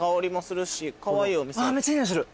あっめっちゃいい匂いする。